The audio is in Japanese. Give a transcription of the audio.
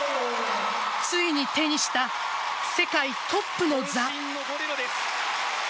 ついに手にした世界トップの座。